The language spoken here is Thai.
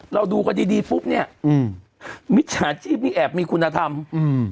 เราดูกันดีดีปุ๊บเนี้ยอืมมิจฉาชีพนี่แอบมีคุณธรรมอืม